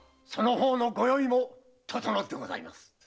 その方のご用意も整ってございます。